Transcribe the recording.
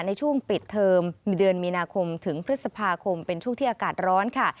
ในช่วงปิดเทอมเดือนมีนาคมถึงพฤษภาคมเป็นช่วงที่อากาศร้อนค่ะ